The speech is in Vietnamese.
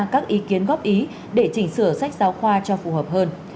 các ý kiến góp ý để chỉnh sửa sách giáo khoa cho phù hợp hơn